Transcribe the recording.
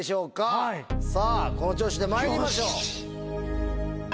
さぁこの調子でまいりましょう。